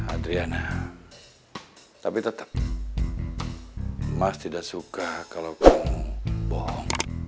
adriana tapi tetap mas tidak suka kalau kamu bohong